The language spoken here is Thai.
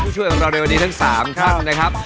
ช่วยกับเราในวันนี้ทั้ง๓ครับ